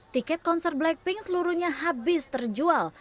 tiket konser blackpink seluruhnya habis terjual